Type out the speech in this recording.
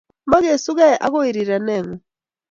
Magesugei agoi rirenengung